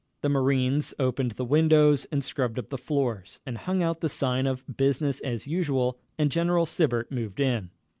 The marines opened the windows, and scrubbed up the floors, and hung out the sign of "Business as usual," and General Sibert moved in.